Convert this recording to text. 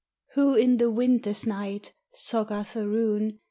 Who, in the winter's night, Soggarth aroon.